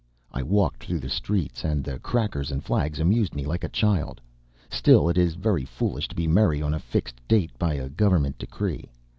I walked through the streets, and the crackers and flags amused me like a child. Still it is very foolish to be merry on a fixed date, by a Government decree.